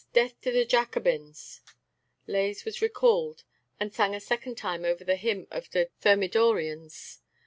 Death to the Jacobins!" Lays was recalled and sang a second time over the hymn of the Thermidorians.